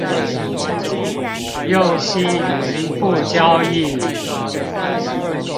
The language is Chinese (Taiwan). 用心於不交易